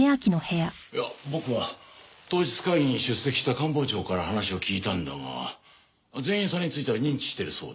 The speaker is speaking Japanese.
いや僕は当日会議に出席した官房長から話を聞いたんだが全員それについては認知してるそうだ。